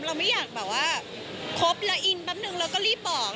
เราไม่อยากแบบว่าครบแล้วอินแป๊บนึงเราก็รีบบอก